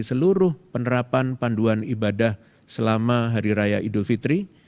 seluruh penerapan panduan ibadah selama hari raya idul fitri